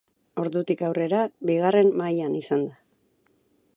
Ordutik aurrera bigarren mailan izan da.